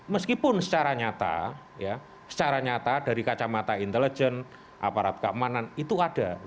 meskipun secara nyata secara nyata dari kacamata intelijen aparat keamanan itu ada